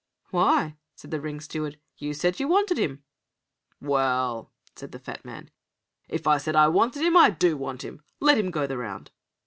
"Why," said the ring steward, "you said you wanted him." "Well," said the fat man, "if I said I wanted him I do want him. Let him go the round."